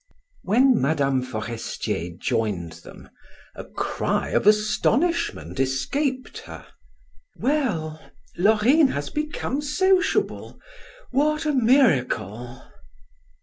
When Mme. Forestier joined them, a cry of astonishment escaped her: "Well, Laurine has become sociable; what a miracle!"